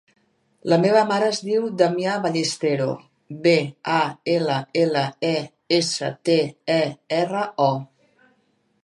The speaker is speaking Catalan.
La meva mare es diu Damià Ballestero: be, a, ela, ela, e, essa, te, e, erra, o.